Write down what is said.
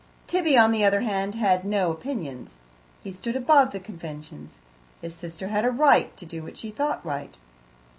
Tibby, on the other hand, had no opinions. He stood above the conventions: his sister had a right to do what she thought right.